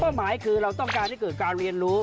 เป้าหมายคือเราต้องการการเรียนรู้